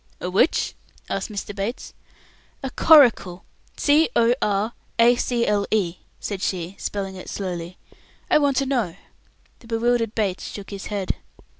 "A which?" asked Mr. Bates. "A coracle. C o r a c l e," said she, spelling it slowly. "I want to know." The bewildered Bates shook his head.